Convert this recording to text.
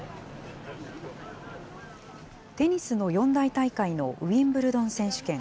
テニスの四大大会のウィンブルドン選手権。